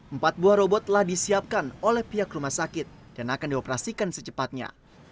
empat buah robot telah disiapkan oleh pihak rumah sakit dan akan dioperasikan secepatnya